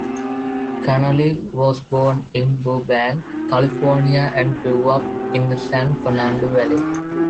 Kanaly was born in Burbank, California and grew up in the San Fernando Valley.